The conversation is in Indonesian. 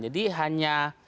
jadi hanya miskin substansi